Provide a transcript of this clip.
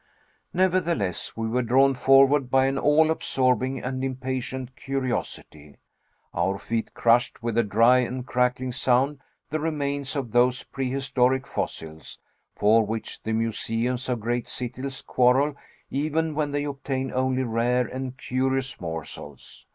Nevertheless, we were drawn forward by an all absorbing and impatient curiosity. Our feet crushed with a dry and crackling sound the remains of those prehistoric fossils, for which the museums of great cities quarrel, even when they obtain only rare and curious morsels.